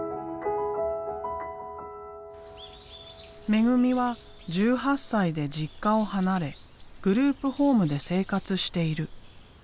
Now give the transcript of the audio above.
めぐみは１８歳で実家を離れグループホームで生活している。